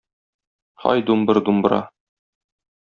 Һай думбыр-думбра.